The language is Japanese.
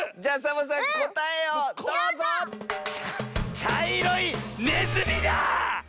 ちゃいろいねずみだ！